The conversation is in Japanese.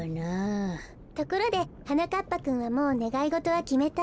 ところではなかっぱくんはもうねがいごとはきめた？